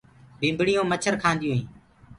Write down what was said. ڀِمڀڻي مڇر کآندي هي۔